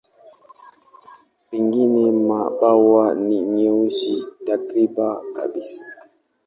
Pengine mabawa ni meusi takriban kabisa.